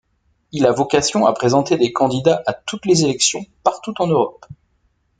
Il a vocation à présenter des candidats à toutes les élections partout en Europe.